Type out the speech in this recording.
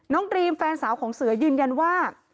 ดรีมแฟนสาวของเสือยืนยันว่า